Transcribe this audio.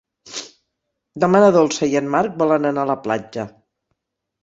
Demà na Dolça i en Marc volen anar a la platja.